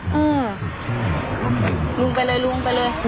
หลุงไปเลยหลุงไปเลย